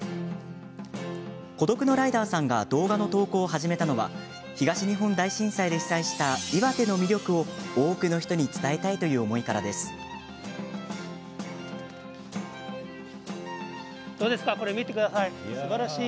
孤独のライダーさんが動画の投稿を始めたのは東日本大震災で被災した岩手の魅力を多くの人に伝えたいという思いからです。